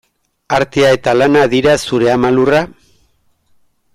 Artea eta lana dira zure ama lurra?